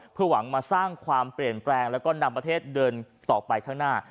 เพื่อหวังมาสร้างความเปลี่ยนแปลงแล้วก็นำประเทศเดินต่อไปข้างหน้า